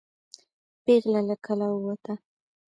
پیغله له کلا ووته.